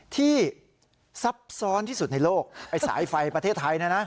ซับซ้อนที่สุดในโลกไอ้สายไฟประเทศไทยเนี่ยนะ